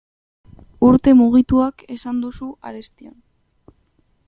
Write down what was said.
Urte mugituak esan duzu arestian.